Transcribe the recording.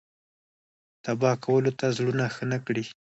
تبا کولو ته زړونه ښه نه کړي.